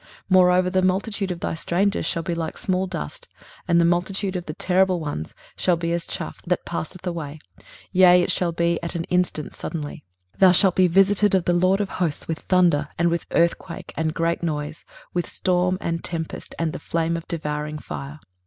23:029:005 Moreover the multitude of thy strangers shall be like small dust, and the multitude of the terrible ones shall be as chaff that passeth away: yea, it shall be at an instant suddenly. 23:029:006 Thou shalt be visited of the LORD of hosts with thunder, and with earthquake, and great noise, with storm and tempest, and the flame of devouring fire.